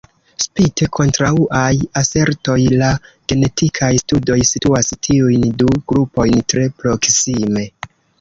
Spite kontraŭaj asertoj, la genetikaj studoj situas tiujn du grupojn tre proksime.